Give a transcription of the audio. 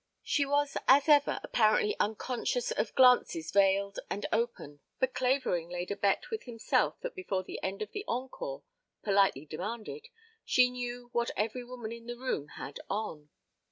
She was, as ever, apparently unconscious of glances veiled and open, but Clavering laid a bet with himself that before the end of the encore politely demanded she knew what every woman in the room had on.